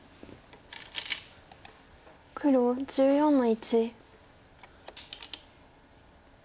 黒１４の一。